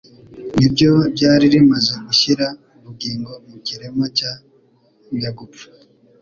ni ryo ryari rimaze gushyira ubugingo mu kirema cya nyagupfa.